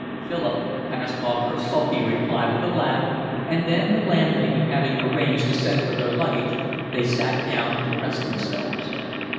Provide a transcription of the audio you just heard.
Philip passed off her sulky reply with a laugh, and, the landlady having arranged to send for their luggage, they sat down to rest themselves.